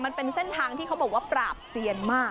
มันเป็นเส้นทางที่เขาบอกว่าปราบเซียนมาก